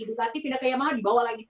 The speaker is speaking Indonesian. ducati pindah ke yamaha dibawa ke petronas